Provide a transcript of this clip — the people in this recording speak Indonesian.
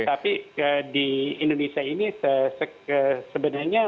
tapi di indonesia ini sebenarnya kasusnya masih bertambah begitu